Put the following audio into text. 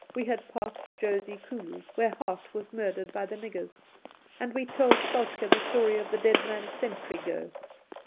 We had passed Josikulus, where Hart was murdered by the niggers, and we told Soltk^ the story of the dead man's sentry go.